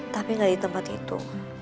tapi nggak di tempat itu